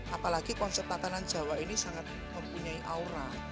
apalagi konsep tatanan jawa ini sangat mempunyai aura